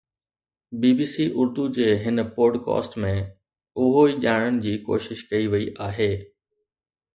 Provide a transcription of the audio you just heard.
بي B C Urdu جي هن podcast ۾ اهو ئي ڄاڻڻ جي ڪوشش ڪئي وئي آهي